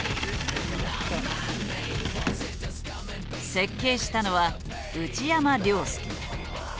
設計したのは内山了介。